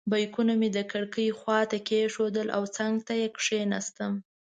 بیکونه مې د کړکۍ خواته کېښودل او څنګ ته کېناستم.